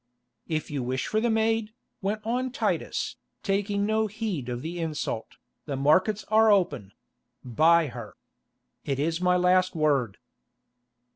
"If you wish for the maid," went on Titus, taking no heed of the insult, "the markets are open—buy her. It is my last word."